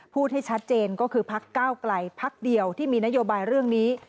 พูดให้ชัดเจนก็คือพักก้าวไกลพักเดียวที่มีนโยบายเรื่องนี้